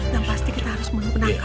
dan pasti kita harus menangkapnya